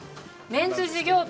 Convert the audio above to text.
メンズ事業部？